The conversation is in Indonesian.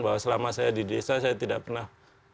bahwa selama saya di desa saya tidak pernah